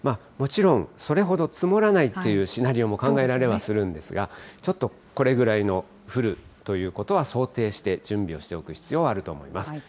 もちろん、それほど積もらないというシナリオも考えられはするんですが、ちょっとこれぐらいの降るということは想定して、準備をしておく必要はあると思います。